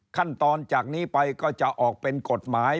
ขั้นตอนจากนี้ไปก็จะออกเป็นกฎหมาย